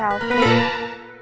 aku mau ke rumah